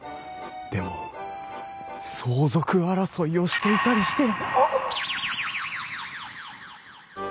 でも相続争いをしていたりして！